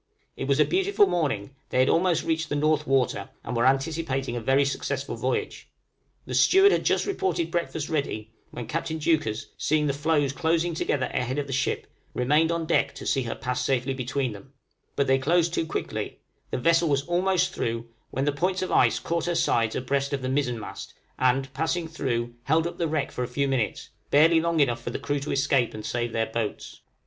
It was a beautiful morning; they had almost reached the North Water, and were anticipating a very successful voyage; the steward had just reported breakfast ready, when Captain Deuchars, seeing the floes closing together ahead of the ship, remained on deck to see her pass safely between them, but they closed too quickly; the vessel was almost through, when the points of ice caught her sides abreast of the mizenmast, and, passing through, held the wreck up for a few minutes, barely long enough for the crew to escape and save their boats!